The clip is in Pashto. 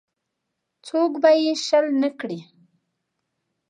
څوک به یې شل نه کړي.